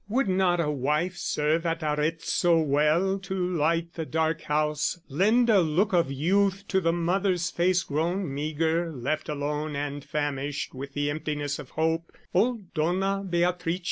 Would not a wife serve at Arezzo well To light the dark house, lend a look of youth To the mother's face grown meagre, left alone And famished with the emptiness of hope, Old Donna Beatrice?